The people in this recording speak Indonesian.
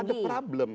karena ada problem